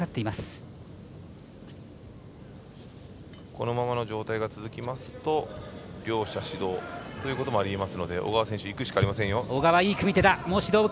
このままの状態が続きますと両者指導ということもありますので小川選手、いくしかありませんよ。